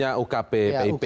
yang sebelumnya ukp pip ya